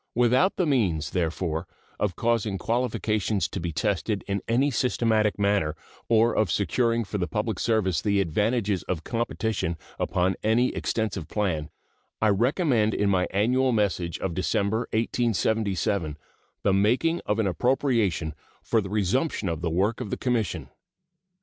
Without the means, therefore, of causing qualifications to be tested in any systematic manner or of securing for the public service the advantages of competition upon any extensive plan, I recommended in my annual message of December, 1877, the making of an appropriation for the resumption of the work of the Commission.